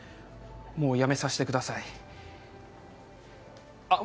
もうやめさせてくださいあっ